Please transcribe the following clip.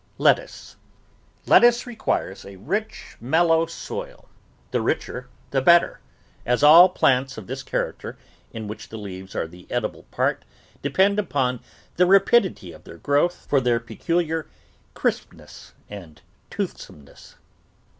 LETTUCE Lettuce requires a rich, mellow soil, the richer the better, as all plants of this character, in which the leaves are the edible part, depend upon the rapid ity of their growth for their peculiar crispness and toothsomeness.